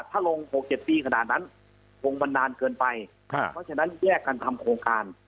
ถ้าลง๖๗ปีขนาดนั้นคงมันนานเกินไปเพราะฉะนั้นแยกกันทำโครงการ